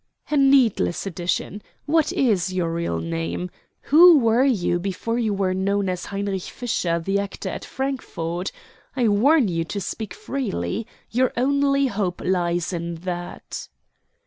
"A needless addition. What is your real name? Who were you before you were known as Heinrich Fischer, the actor at Frankfort? I warn you to speak freely. Your only hope lies in that."